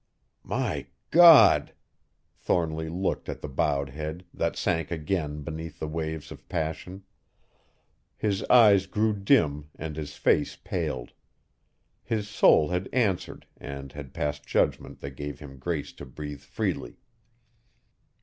"My God!" Thornly looked at the bowed head, that sank again beneath the waves of passion. His eyes grew dim and his face paled. His soul had answered and had passed judgment that gave him grace to breathe freely!